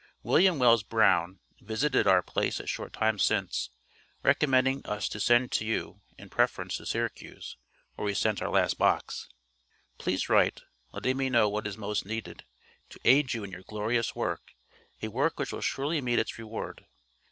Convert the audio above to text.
William Wells Brown visited our place a short time since, recommending us to send to you in preference to Syracuse, where we sent our last box. Please write, letting me know what most is needed to aid you in your glorious work, a work which will surely meet its reward.